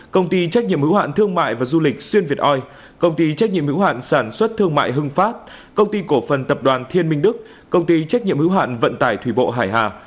công ty trách nhiệm hữu hạn thương mại và du lịch xuyên việt oi công ty trách nhiệm hữu hạn sản xuất thương mại hưng pháp công ty cổ phần tập đoàn thiên minh đức công ty trách nhiệm hữu hạn vận tải thủy bộ hải hà